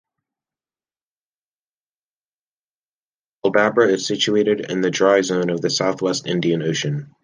Aldabra is situated in the dry zone of the south-west Indian Ocean.